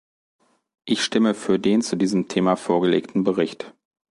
Ich stimme für den zu diesem Thema vorgelegten Bericht.